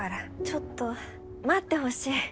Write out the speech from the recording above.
ちょっと待ってほしい。